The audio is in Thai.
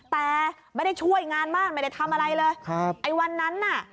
แต่ไม่ได้ช่วยงานบ้านไม่ได้ทำอะไรเลยครับไอ้วันนั้นน่ะ